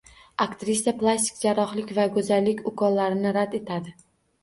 Aktrisa plastik jarrohlik va go‘zallik ukollarini rad etadi